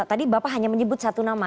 tadi bapak hanya menyebut satu nama